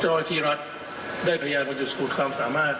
เจ้าที่รัฐได้พยายามจุดสูตรความสามารถ